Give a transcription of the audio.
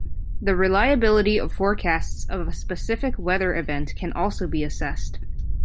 The reliability of forecasts of a specific weather event can also be assessed.